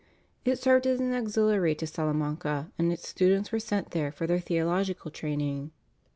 It served as an auxiliary to Salamanca, and its students were sent there for their theological training.